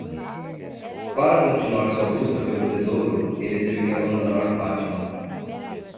Para continuar sua busca pelo tesouro, ele teve que abandonar Fátima.